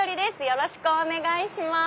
よろしくお願いします。